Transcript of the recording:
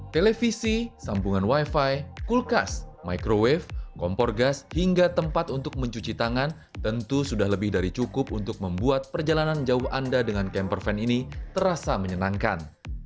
televisi sambungan wifi kulkas microwave kompor gas hingga tempat untuk mencuci tangan tentu sudah lebih dari cukup untuk membuat perjalanan jauh anda dengan camper van ini terasa menyenangkan